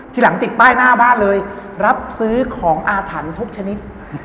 ทีหลังติดป้ายหน้าบ้านเลยรับซื้อของอาถรรพ์ทุกชนิด